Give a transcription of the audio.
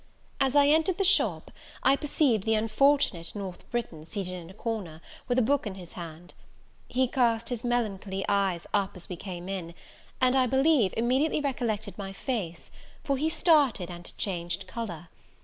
As I entered the shop, I perceived the unfortunate North Briton seated in a corner, with a book in his hand. He cast his melancholy eyes up as we came in; and, I believe, immediately recollected my face for he started, and changed colour.